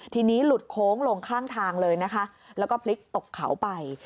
ทีนี้หลุดโค้งลงข้างทางเลยนะคะแล้วก็พลิกตกเขาไป